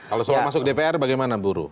kalau seorang masuk dpr bagaimana buruh